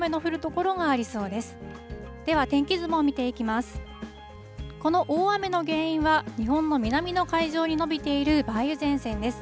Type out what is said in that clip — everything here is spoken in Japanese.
この大雨の原因は、日本の南の海上に延びている梅雨前線です。